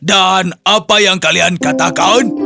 dan apa yang kalian katakan